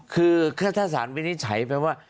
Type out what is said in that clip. คือถ้าสารวินิจฉัยแปลว่า